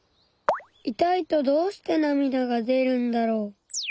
痛いとどうしてなみだが出るんだろう。